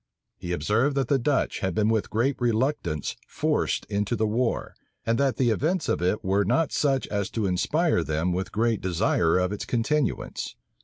He observed, that the Dutch had been with great reluctance forced into the war, and that the events of it were not such as to inspire them with great desire of its continuance.